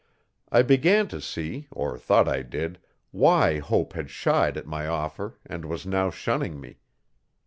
I began to see, or thought I did, why Hope had shied at my offer and was now shunning me.